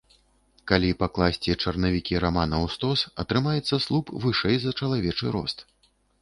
Калі пакласці чарнавікі рамана ў стос, атрымаецца слуп вышэй за чалавечы рост.